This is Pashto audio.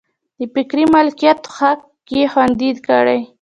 د فکري مالکیت حق یې خوندي کړي.